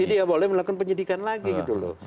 dia boleh melakukan penyidikan lagi gitu loh